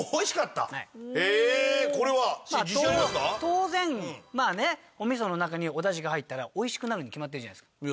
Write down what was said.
当然まあねおみその中におだしが入ったらおいしくなるに決まってるじゃないですか。